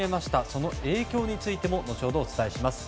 その影響についても後ほどお伝えします。